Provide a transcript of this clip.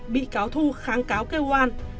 bị cáo thu kháng cáo kêu oan